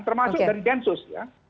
termasuk dari gensus